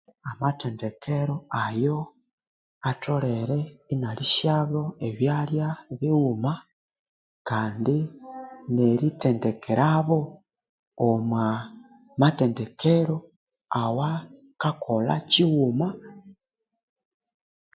Amathendekero ayo atholere inya lisyabo ebyalya bighuma Kandi nerithendekerabo omu mathendekero awa kakolha kyighuma